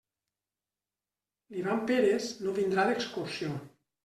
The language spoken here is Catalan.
L'Ivan Pérez no vindrà d'excursió.